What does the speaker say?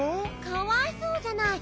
かわいそうじゃない！